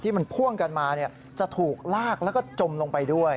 มันพ่วงกันมาจะถูกลากแล้วก็จมลงไปด้วย